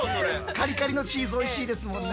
カリカリのチーズおいしいですもんね。